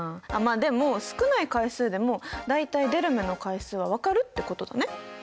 まあでも少ない回数でも大体出る目の回数は分かるってことだね。